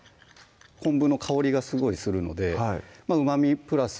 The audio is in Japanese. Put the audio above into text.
昆布の香りがすごいするのでうまみプラス